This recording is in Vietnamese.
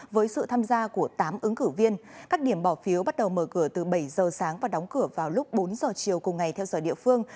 với sự tham gia của tám ứng cử viên các điểm bỏ phiếu bắt đầu mở cửa từ bảy giờ sáng và đóng cửa vào lúc bốn giờ chiều cùng ngày theo giờ địa phương